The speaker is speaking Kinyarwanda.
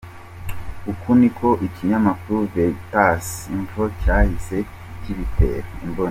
Uku niko ikinyamakuru Veritas.info cyahise kibitera imboni.